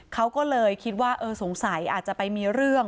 เขาก็เลยคิดว่าเออสงสัยอาจจะไปมีเรื่อง